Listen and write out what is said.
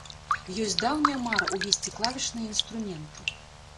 Ёсць даўняя мара ўвесці клавішныя інструменты.